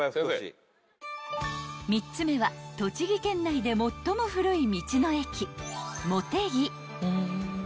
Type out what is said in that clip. ［３つ目は栃木県内で最も古い道の駅もてぎ］